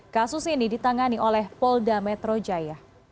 kasus ini ditangani oleh polri